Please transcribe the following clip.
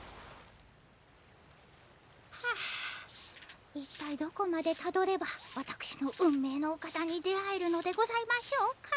はあ一体どこまでたどればわたくしの運命のお方に出会えるのでございましょうか。